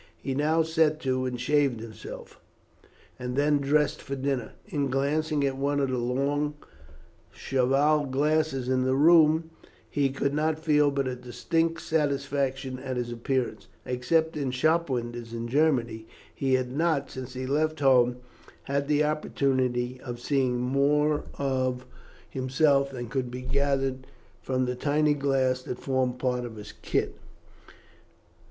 He now set to and shaved himself, and then dressed for dinner. In glancing at one of the long cheval glasses in the room, he could not but feel a distinct satisfaction at his appearance. Except in shop windows in Germany, he had not, since he left home, had the opportunity of seeing more of himself than could be gathered from the tiny glass that formed part of his kit.